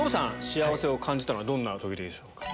幸せを感じたのはどんな時でしょうか？